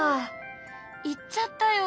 行っちゃったよ。